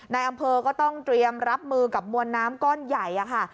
ในอำเภอก็ต้องเตรียมรับมือกับมวลน้ำก้อนใหญ่ค่ะ